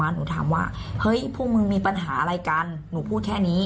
ผมว่าวิงออกมาพวกมึงมีปัญหาอะไรกันหนูพูดแค่นี้